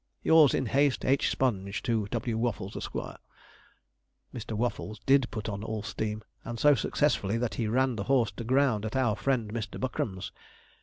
'Yours in haste, 'H. SPONGE. 'To W. WAFFLES, Esq.' Mr. Waffles did put on all steam, and so successfully that he ran the horse to ground at our friend Mr. Buckram's.